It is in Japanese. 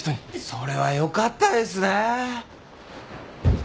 それはよかったですね。